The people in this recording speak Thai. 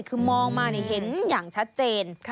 คือมองมาเห็นอย่างชัดเจน